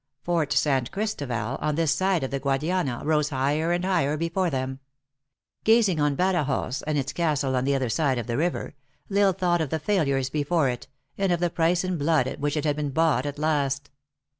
Fort San Christoval, on this side of the Guadiana, rose higher and higher before them. Gazing on 284 THE ACTRESS IN HIGH LIFE. Badajoz and its castle on the other side of the river, L Isle thought of the failures before it, and of the price in blood at whjch it had been bought at last.